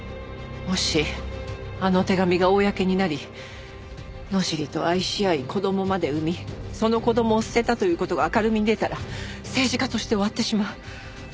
もしあの手紙が公になり野尻と愛し合い子供まで産みその子供を捨てたという事が明るみに出たら政治家として終わってしまう。